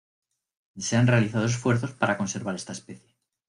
Se han realizado esfuerzos para conservar esta especie.